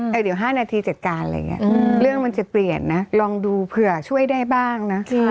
แต่เดี๋ยว๕นาทีจัดการอะไรอย่างนี้เรื่องมันจะเปลี่ยนนะลองดูเผื่อช่วยได้บ้างนะ